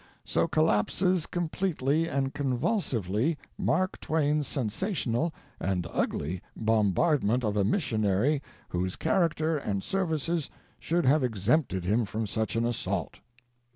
"So collapses completely — and convulsively — Mark Twain's sensa tional and ugly bombardment of a missionary whose character and services should have exempted him from such an assault.